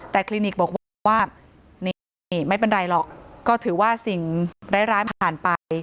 แต่คลินิกบอกว่านี่ไม่เป็นไรหรอกก็ถือว่าสิ่งร้ายผ่านไป